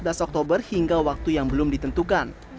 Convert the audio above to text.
berlaku sejak empat belas oktober hingga waktu yang belum ditentukan